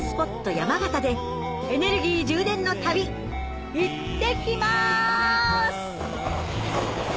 山形でエネルギー充電の旅いってきます！